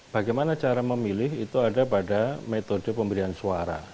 bagaimana cara memilih itu ada pada metode pemberian suara